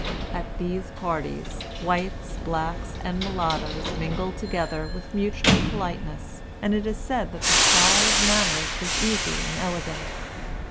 At these parties, whites, blacks, and mulattoes mingled together with mutual politeness, and it is said that the style of manners was easy and elegant.